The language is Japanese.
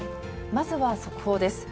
まずは速報です。